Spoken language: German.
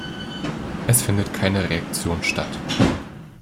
Es findet keine Reaktion statt.